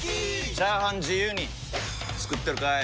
チャーハン自由に作ってるかい！？